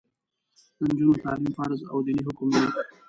د نجونو تعلیم فرض او دیني حکم دی.